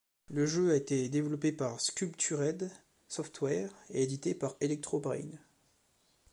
Le jeu a été développé par Sculptured Software et édité par Electro Brain.